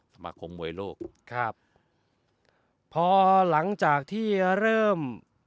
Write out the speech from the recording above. สมาคมมวยโลกครับพอหลังจากที่เริ่ม